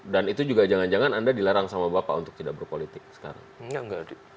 dan itu juga jangan jangan anda dilarang sama bapak untuk tidak berpolitik sekarang